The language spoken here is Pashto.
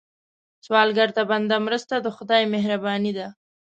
سوالګر ته بنده مرسته، د خدای مهرباني ده